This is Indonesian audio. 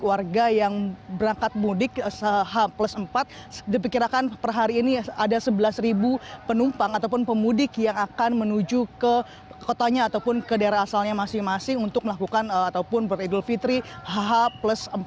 warga yang berangkat mudik h plus empat diperkirakan per hari ini ada sebelas penumpang ataupun pemudik yang akan menuju ke kotanya ataupun ke daerah asalnya masing masing untuk melakukan ataupun beridul fitri hh plus empat